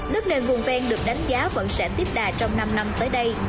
đất nền vùng ven được đánh giá vẫn sẽ tiếp đà trong năm năm tới đây